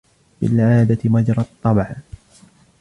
بِالْعَادَةِ مَجْرَى الطَّبْعِ